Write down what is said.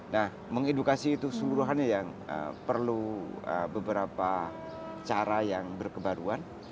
nah mengedukasi itu seluruhannya yang perlu beberapa cara yang berkebaruan